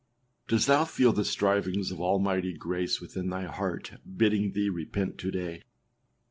Dost thou feel the strivings of Almighty grace within thine heart bidding thee repent to day?